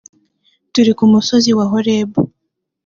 turi ku musozi wa horebu